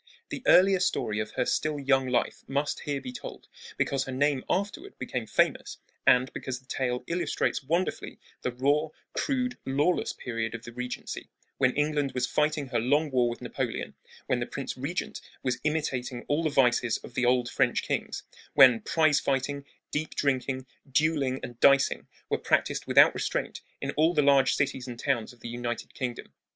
The earlier story of her still young life must here be told, because her name afterward became famous, and because the tale illustrates wonderfully well the raw, crude, lawless period of the Regency, when England was fighting her long war with Napoleon, when the Prince Regent was imitating all the vices of the old French kings, when prize fighting, deep drinking, dueling, and dicing were practised without restraint in all the large cities and towns of the United Kingdom.